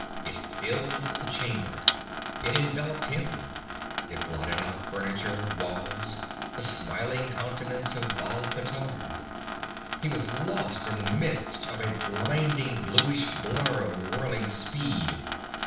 It filled the chamber. It enveloped him. It blotted out furniture, walls, the smiling countenance of Baal pteor. He was lost in the midst of a blinding bluish blur of whirling speed.